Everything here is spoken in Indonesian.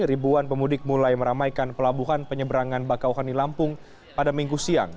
ribuan pemudik mulai meramaikan pelabuhan penyeberangan bakauhani lampung pada minggu siang